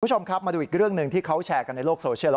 คุณผู้ชมครับมาดูอีกเรื่องหนึ่งที่เขาแชร์กันในโลกโซเชียล